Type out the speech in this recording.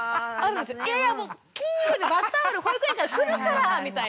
いやいや金曜日バスタオル保育園からくるからみたいな。